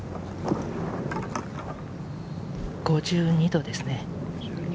５２度ですね。